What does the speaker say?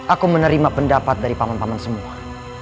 aku menerima pendapat dari paman paman semua